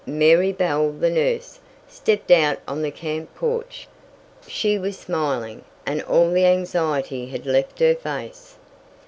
Mary Bell, the nurse, stepped out on the camp porch. She was smiling, and all the anxiety had left her face.